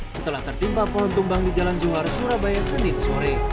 setelah tertimpa pohon tumbang di jalan johar surabaya senin sore